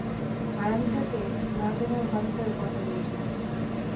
হারামীটাকে না চেনার ভান করে কথা বলছিলাম।